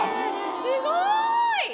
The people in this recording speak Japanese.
すごい！